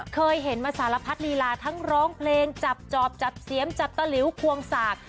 เคยเห็นมาสารพัดลีลาทั้งร้องเพลงจับจอบจับเสียมจับตะหลิวควงสาก